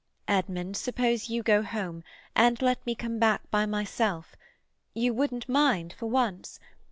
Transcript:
"Edmund, suppose you go home, and let me come back by myself? You wouldn't mind, for once?